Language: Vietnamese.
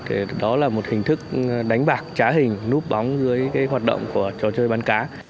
thì đó là một hình thức đánh bạc trá hình núp bóng dưới cái hoạt động của trò chơi bán cá